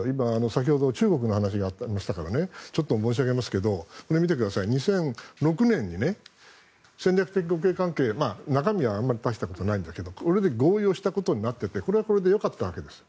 先ほど中国の話がありましたからね申し上げますけど２００６年に戦略的互恵関係中身はあまり大したことないんだけどこれで合意したことになっててこれはこれでよかったわけです。